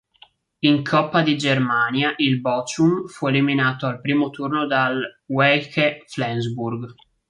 In coppa di Germania il Bochum fu eliminato al primo turno dal Weiche Flensburg.